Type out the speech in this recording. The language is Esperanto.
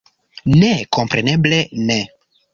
Ne, kompreneble ne!